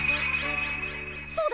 そうだ！